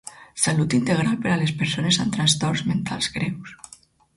Salut integral per a les persones amb trastorns mentals greus.